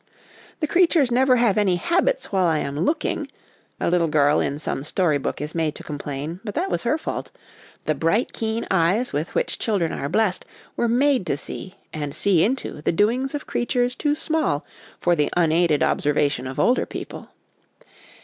' The creatures never have any habits while I am looking !' a little girl in some story book is made to complain : but that was her fault ; the bright keen eyes with which children are blest were made to see, and see into, the doings of creatures too small for the unaided observation of older people.